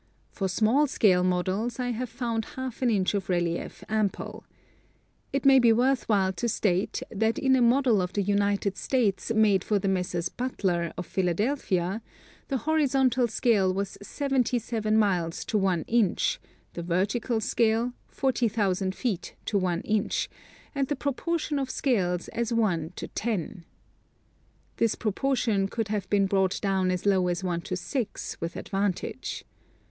For small scale models I have found half an inch of relief ample. It may be worth while to state that in a model of the United States made for the Messrs. Butler, of Phil adelphia, the horizontal scale was 77 miles to 1 inch, the vertical scale 40,000 feet to 1 inch, and the proportion of scales as 1 to 10. This proportion could have been brought down as low as 1 : 6 with advantage.